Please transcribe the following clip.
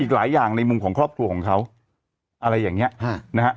หลายอย่างในมุมของครอบครัวของเขาอะไรอย่างนี้นะฮะ